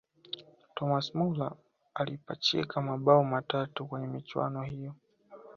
thomas muller alipachika mabao matatu kwenye michuano hiyo